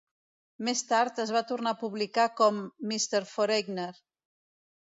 Més tard es va tornar a publicar com "Mr Foreigner".